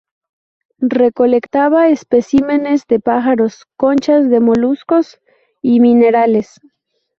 Recolectaba especímenes de pájaros, conchas de moluscos y minerales.